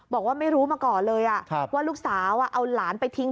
บอกว่าไม่รู้มาก่อนเลยว่าลูกสาวเอาหลานไปทิ้ง